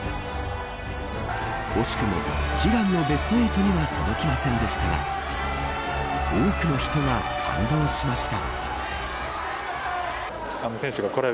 惜しくも、悲願のベスト８には届きませんでしたが多くの人が感動しました。